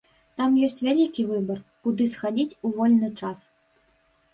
Там ёсць вялікі выбар, куды схадзіць у вольны час.